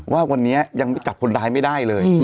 ว่าวันนี้ยังจับคนร้ายไม่ได้เลย